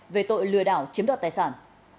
về tội lừa đảo chiếm đoạt tài sản